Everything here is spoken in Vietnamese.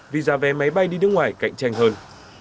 vì giá vé máy bay đi nước ngoài cạnh tranh hơn